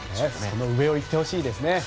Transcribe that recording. その上をいってほしいですね。